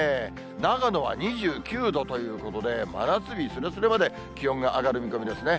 長野は２９度ということで、真夏日すれすれまで気温が上がる見込みですね。